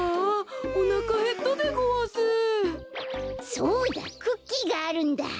そうだクッキーがあるんだ。